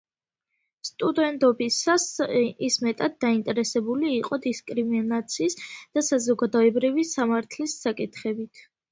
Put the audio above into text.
სტუდენტობისას ის მეტად დაინტერესებული იყო დისკრიმინაციის და საზოგადოებრივი სამართლის საკითხებით.